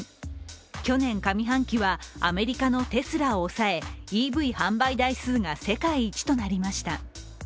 去年上半期は、アメリカのテスラを抑えＥＶ販売台数が世界一となりました。